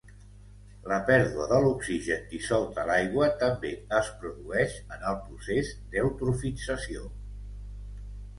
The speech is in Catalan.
La pèrdua de l'oxigen dissolt a l'aigua també es produeix en el procés d'eutrofització.